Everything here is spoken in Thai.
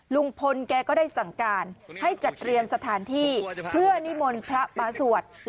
ลุงพลแกก็ได้สั่งการให้จัดเตรียมสถานที่เพื่อนิมนต์พระมาสวด